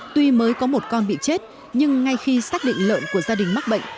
tuy mới có một con bị chết nhưng ngay khi xác định lợn của gia đình mắc bệnh